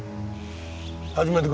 始めてくれ。